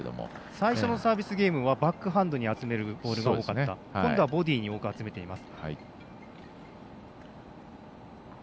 最初のサービスゲームはバックハンドに集めるボールでしたが今度はボディーに多く集めています。